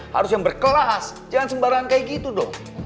harus yang berkelas jangan sembarangan kayak gitu dong